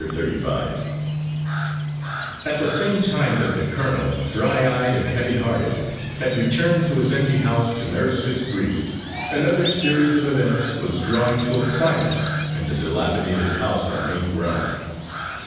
Thirty five At the same time that the colonel, dry eyed and heavy hearted, had returned to his empty house to nurse his grief, another series of events was drawing to a climax in the dilapidated house on Mink Run.